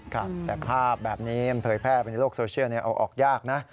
ครับแต่ภาพแบบนี้มันเผยแพร่ไปในโลกโซเชียลเอาออกยากนะ